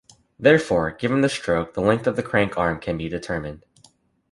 Therefore, given the stroke, the length of the crank arm can be determined.